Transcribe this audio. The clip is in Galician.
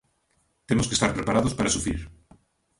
Temos que estar preparados para sufrir.